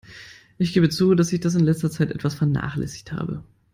Ich gebe zu, dass ich das in letzter Zeit etwas vernachlässigt habe.